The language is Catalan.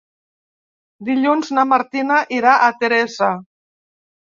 Dilluns na Martina irà a Teresa.